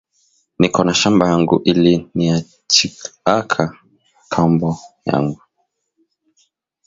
Niko na shamba yangu iliniachiaka kambo yangu